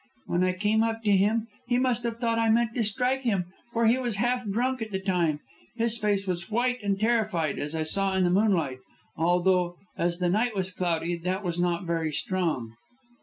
When I came up to him he must have thought I meant to strike him, for he was half drunk at the time. His face was white and terrified as I saw in the moonlight; although, as the night was cloudy, that was not very strong."